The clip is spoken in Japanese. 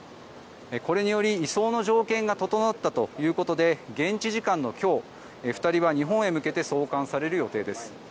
これにより移送の条件が整ったということで現地時間の今日２人は日本へ向けて送還される予定です。